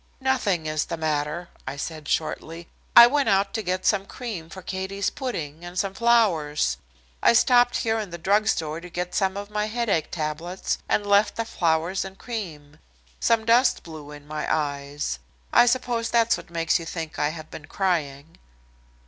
"Nothing is the matter," I said shortly. "I went out to get some cream for Katie's pudding and some flowers. I stopped here in the drug store to get some of my headache tablets, and left the flowers and cream. Some dust blew in my eyes. I suppose that's what makes you think I have been crying."